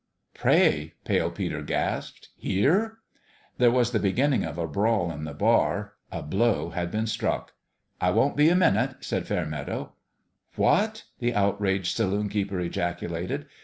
" Pray 1 " Pale Peter gasped. " Here ?" There was the beginning of a brawl in the bar : a blow had been struck. " I won't be a minute," said Fairmeadow. "What!" the outraged saloon keeper ejacu lated.